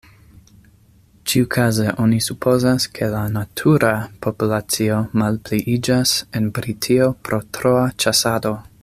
Ĉiukaze oni supozas, ke la "natura" populacio malpliiĝas en Britio pro troa ĉasado.